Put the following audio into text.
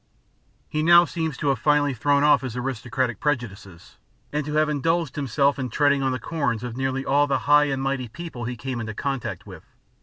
He now seems to have finally thrown off his aristocratic prejudices, and to have indulged himself in treading on the corns of nearly all the high and mighty people he came into contact with.